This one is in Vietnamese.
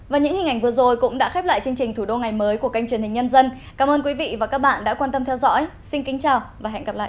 và những hình ảnh vừa rồi cũng đã khép lại chương trình thủ đô ngày mới của kênh truyền hình nhân dân cảm ơn quý vị và các bạn đã quan tâm theo dõi xin kính chào và hẹn gặp lại